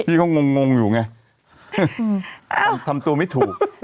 พี่เขางงอยู่ไงทำตัวไม่ถูก